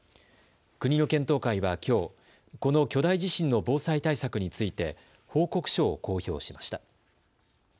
国の検討会はきょう、この巨大地震の防災対策について報告書を公表しました。